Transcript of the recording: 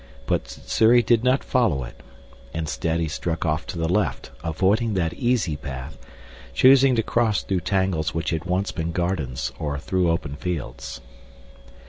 But Sssuri did not follow it. Instead he struck off to the left, avoiding that easy path, choosing to cross through tangles which had once been gardens or through open fields.